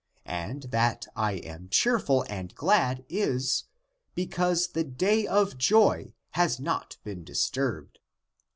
And that I am cheerful and glad is, because the day of joy has not been disturbed.